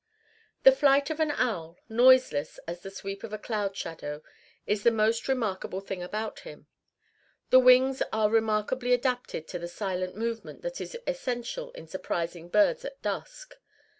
The flight of an owl, noiseless as the sweep of a cloud shadow, is the most remarkable thing about him. The wings are remarkably adapted to the silent movement that is essential to surprising birds at dusk.